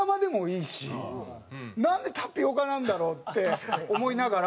なんでタピオカなんだろう？って思いながら。